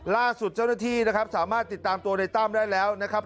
ล่าสุดเจ้าหน้าที่นะครับสามารถติดตามตัวในตั้มได้แล้วนะครับ